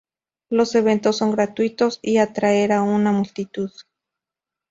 Los eventos son gratuitos y atraer a una multitud.